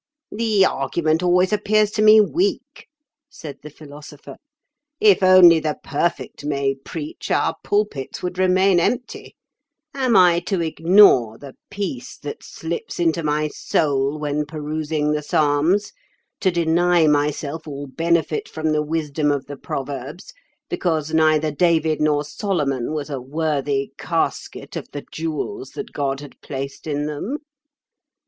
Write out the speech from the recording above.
"The argument always appears to me weak," said the Philosopher. "If only the perfect may preach, our pulpits would remain empty. Am I to ignore the peace that slips into my soul when perusing the Psalms, to deny myself all benefit from the wisdom of the Proverbs, because neither David nor Solomon was a worthy casket of the jewels that God had placed in them?